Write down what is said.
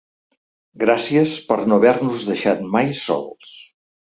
Gràcies per no haver-nos deixat mai sols.